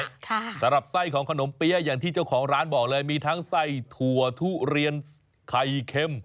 สำหรับไส้ของขนมเปี๊ยะอย่างที่เจ้าของร้านบอกเลยมีทั้งไส้ถั่วทุเรียนไข่เค็ม